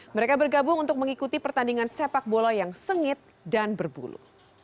mereka bergabung untuk mengikuti pertandingan sepak bola yang sengit dan berbulu